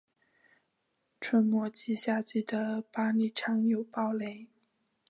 春末及夏季的巴里常有雷暴。